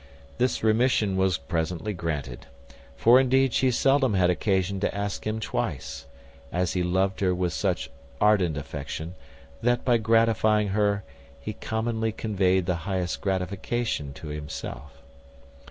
This remission was presently granted; for indeed she seldom had occasion to ask him twice, as he loved her with such ardent affection, that, by gratifying her, he commonly conveyed the highest gratification to himself.